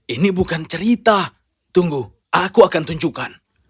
ini bukan cerita tunggu aku akan tunjukkan